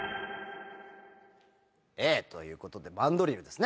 Ａということでマンドリルですね。